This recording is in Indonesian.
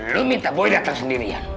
lo minta boy datang sendirian